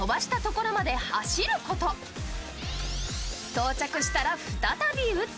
到着したら、再び打つ。